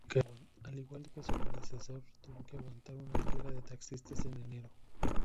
Al igual que su predecesor, tuvo que aguantar una huelga de taxistas en enero.